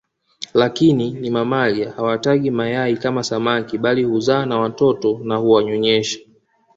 Lakini ni mamalia hawatagi mayai kama samaki bali huzaa na watoto na huwanyonyesha